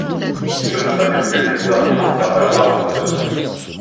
Je ne savais plus quels arguments faire valoir en ma faveur.